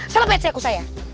selepet sehaku saya